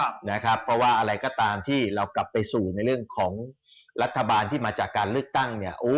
เพราะว่าอะไรก็ตามที่เรากลับไปสู่ในเรื่องของรัฐบาลที่มาจากการเลือกตั้งเนี่ย